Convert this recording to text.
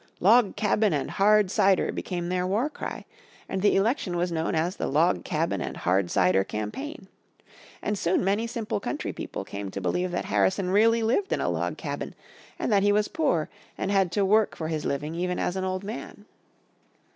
Log Cabin and Hard Cider became their war cry, and the election was known as the Log Cabin and Hard Cider campaign. And soon many simple country people came to believe that Harrison really lived in a log cabin, and that he was poor, and had to work for his living even as an old man.